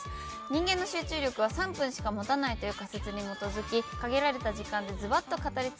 人間の集中力は３分しか持たないという仮説に基づき限られた時間でズバッと語り尽くしていただきます。